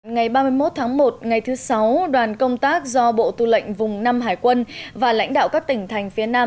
ngày ba mươi một tháng một ngày thứ sáu đoàn công tác do bộ tư lệnh vùng năm hải quân và lãnh đạo các tỉnh thành phía nam